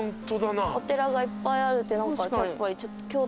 お寺がいっぱいあるって何かちょっと京都っぽい。